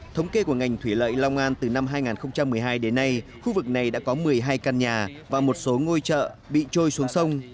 thống kê của ngành thủy lợi long an từ năm hai nghìn một mươi hai đến nay khu vực này đã có một mươi hai căn nhà và một số ngôi chợ bị trôi xuống sông